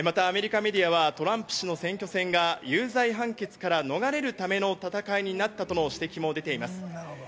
またアメリカメディアはトランプ氏の選挙戦が有罪判決から逃れるための戦いになったとの指摘も出ています。